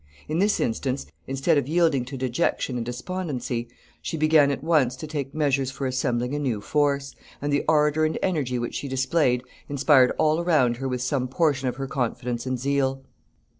In this instance, instead of yielding to dejection and despondency, she began at once to take measures for assembling a new force, and the ardor and energy which she displayed inspired all around her with some portion of her confidence and zeal.